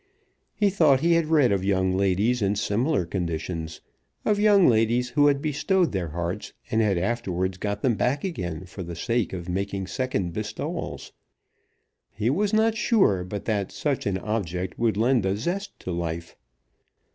He thought he had read of young ladies in similar conditions, of young ladies who had bestowed their hearts and had afterwards got them back again for the sake of making second bestowals. He was not sure but that such an object would lend a zest to life.